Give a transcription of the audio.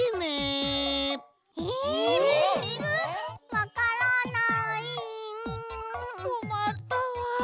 わからないうん。こまったわ。